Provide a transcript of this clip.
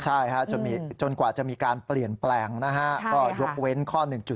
ใช่จนกว่าจะมีการเปลี่ยนแปลงรบเว้นข้อ๑๒๕